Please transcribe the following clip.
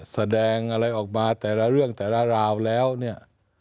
แสดงอะไรออกมาแต่ละเรื่องแต่ละราวแล้วเนี่ย